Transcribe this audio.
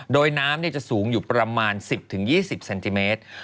โดยน้ำจะสูงอยู่ประมาณ๑๐๒๐เซนติเมตร